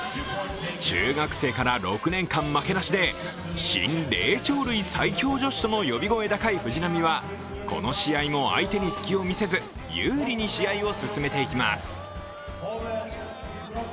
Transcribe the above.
中学生から６年間、負けなしで新霊長類最強女子との呼び声高い藤波はこの試合も相手に隙を見せず有利に試合を進めていきます。